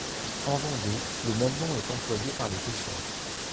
En Vendée, le même nom est employé par les pêcheurs.